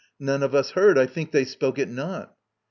None of us heard. I think they spoke it not.